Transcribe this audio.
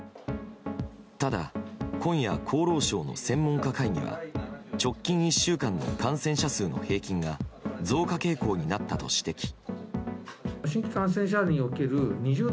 ただ、今夜厚労省の専門家会議は直近１週間の感染者数の平均が増加傾向になったと指摘。